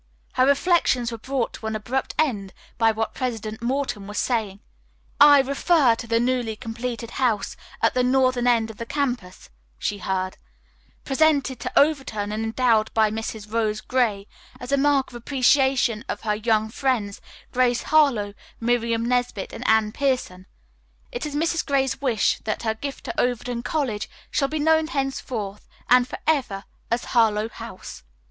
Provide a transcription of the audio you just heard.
Her reflections were brought to an abrupt end by what President Morton was saying. She raised her head in sudden amazement. "I refer to the newly completed house at the northern end of the campus," she heard, "presented to Overton and endowed by Mrs. Rose Gray as a mark of appreciation of her young friends, Grace Harlowe, Miriam Nesbit and Anne Pierson. It is Mrs. Gray's wish that her gift to Overton College shall be known henceforth and forever as 'Harlowe House.'"